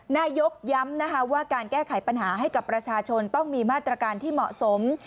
นายกย้ำนะคะว่าการแก้ไขปัญหาให้กับประชาชนต้องมีมาตรการที่เหมาะสม